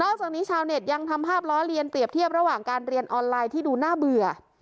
จากนี้ชาวเน็ตยังทำภาพล้อเลียนเปรียบเทียบระหว่างการเรียนออนไลน์ที่ดูน่าเบื่อ